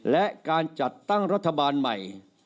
และการจัดตั้งรัฐบาลใหม่